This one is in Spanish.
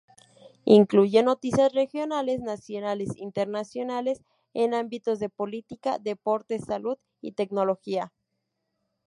Incluye noticias regionales, nacionales, internacionales, en ámbitos de política, deportes, salud y tecnología.